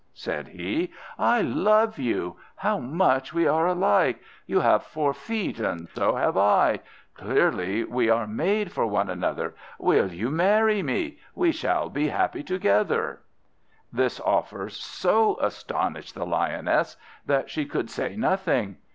said he, "I love you! see how much we are alike! You have four feet, and so have I; clearly we are made for one another. Will you marry me? We shall be so happy together!" This offer so astonished the Lioness that she could say nothing.